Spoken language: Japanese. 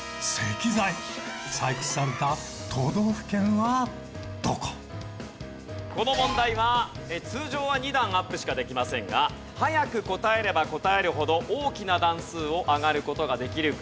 という事でこの問題は通常は２段アップしかできませんが早く答えれば答えるほど大きな段数を上がる事ができるクイズです。